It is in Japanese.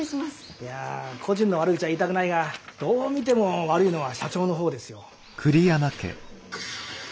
いや故人の悪口は言いたくないがどう見ても悪いのは社長の方ですよ。